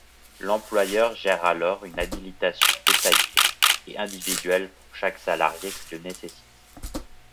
L'employeur gère alors une habilitation détaillée et individuelle pour chaque salarié qui le nécessite.